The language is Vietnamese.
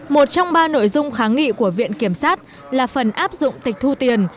một trong ba nội dung kháng nghị của viện kiểm sát là phần áp dụng tịch thu tiền